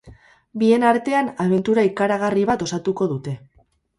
Bien artean abentura ikaragarri bat osatuko dute.